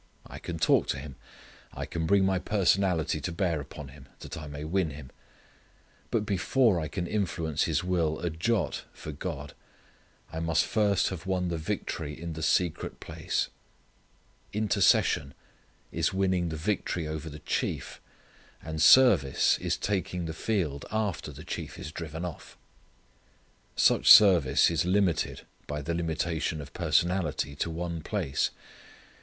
I can talk to him. I can bring my personality to bear upon him, that I may win him. But before I can influence his will a jot for God, I must first have won the victory in the secret place. Intercession is winning the victory over the chief, and service is taking the field after the chief is driven off. Such service is limited by the limitation of personality to one place.